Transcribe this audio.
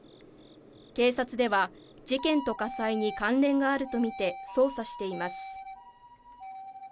警察では、事件と火災に関連があるとみて捜査しています。